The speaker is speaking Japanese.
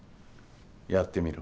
やってみろ。